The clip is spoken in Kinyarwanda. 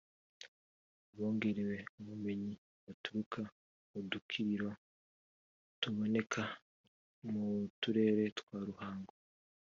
Abongerewe ubumenyi baturuka mu dukiriro tuboneka mu turere twa Ruhango